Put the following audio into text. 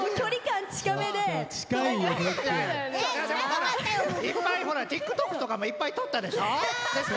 ほらっＴｉｋＴｏｋとかもいっぱい撮ったでしょ。